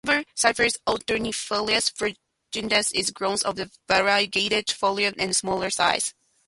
The cultivar "Cyperus alternifolius" Variegatus is grown for its variegated foliage and smaller size.